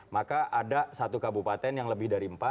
maka ada satu kabupaten yang lebih dari empat